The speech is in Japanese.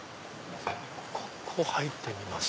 ここ入ってみます？